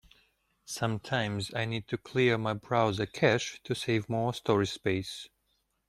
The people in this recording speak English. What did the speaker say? Sometines, I need to clear my browser cache to save more storage space.